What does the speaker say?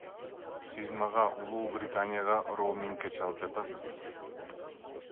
Сиз мага Улуу Британияга роумингге чалып жатасыз.